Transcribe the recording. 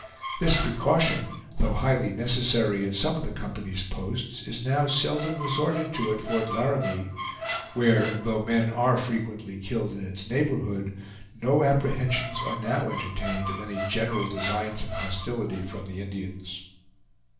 This precaution, though highly necessary at some of the company's posts, is now seldom resorted to at Fort Laramie; where, though men are frequently killed in its neighborhood, no apprehensions are now entertained of any general designs of hostility from the Indians.